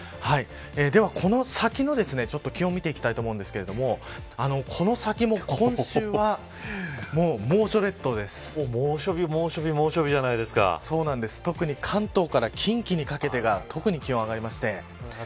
では、この先の気温を見ていきたいと思うんですがこの先も今週は猛暑日特に関東から近畿にかけてが特に気温が上がります。